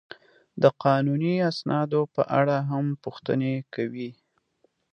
د قانوني اسنادو په اړه هم پوښتنې کوي.